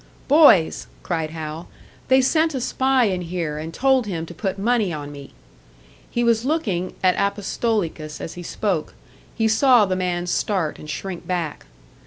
"Boys," cried Hal, "they sent a spy in here, and told him to put money on me." He was looking at Apostolikas as he spoke; he saw the man start and shrink back.